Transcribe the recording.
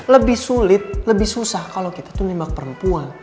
lebih sulit lebih susah kalau kita itu nembak perempuan